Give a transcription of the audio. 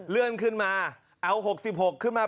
เลื่อนขึ้นมาเอ้า๖๖ขึ้นมาไป